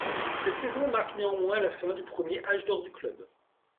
Cette saison marque néanmoins la fin du premier âge d'or du club.